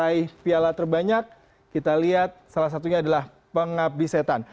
meraih piala terbanyak kita lihat salah satunya adalah pengabdi setan